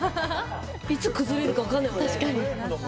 いつ崩れるか分からないね。